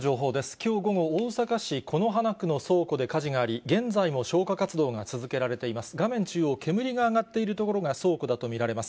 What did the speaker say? きょう午後、大阪市此花区の倉庫で火事があり、現在も消火活動が続けられています。